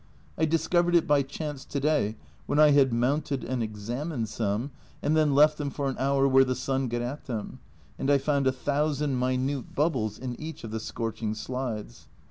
I discovered it by chance to day, when I had mounted and examined some, and then left them for an hour where the sun got at them, and I found a thousand minute bubbles in each of the scorching slides.